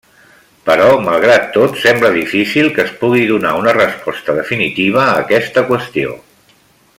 Però malgrat tot, sembla difícil que es pugui donar una resposta definitiva a aquesta qüestió.